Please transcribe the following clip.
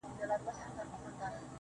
په اخترونو کي په شمالي ولاياتو کي